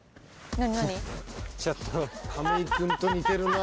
何？